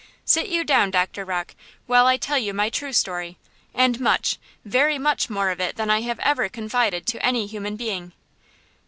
Sit you down, Doctor Rocke, while I tell you my true story, and much, very much more of it than I have ever confided to any human being."